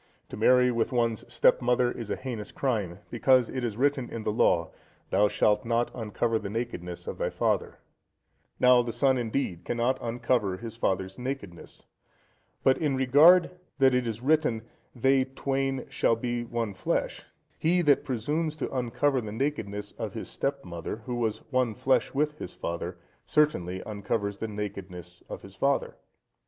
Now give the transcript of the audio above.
To marry with one's stepmother is a heinous crime, because it is written in the Law, "Thou shalt not uncover the nakedness of thy father:" now the son, indeed, cannot uncover his father's nakedness; but in regard that it is written, "They twain shall be one flesh," he that presumes to uncover the nakedness of his stepmother, who was one flesh with his father, certainly uncovers the nakedness of his father.